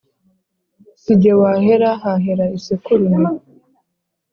sijye wahera hahera isekurume